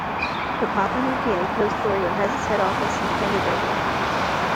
The "Papua New Guinea Post-Courier" has its head office in Konedobu.